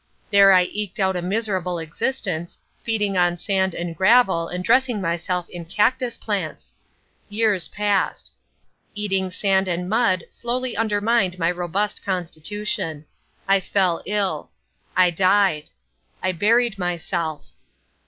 There I eked out a miserable existence, feeding on sand and gravel and dressing myself in cactus plants. Years passed. Eating sand and mud slowly undermined my robust constitution. I fell ill. I died. I buried myself.